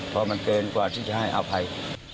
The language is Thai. เพราะมันเกินกว่าที่จะให้อภัย